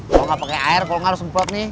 kalo gak pake air kalo gak harus sempet nih